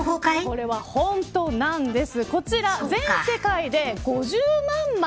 これは本当なんです。